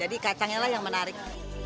jadi kacangnya lah yang menarik